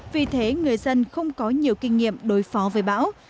vì thế người dân không có nhiều kinh nghiệm đối phó với bão